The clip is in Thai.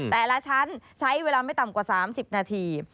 แต่ละชั้นใช้เวลาไม่ต่ำกว่า๓๐นาที